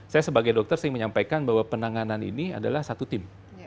saya sebagai dokter sering menyampaikan bahwa penanganan ini adalah satu tim